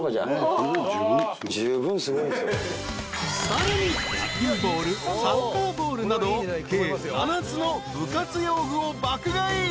［さらに野球ボールサッカーボールなど計７つの部活用具を爆買い］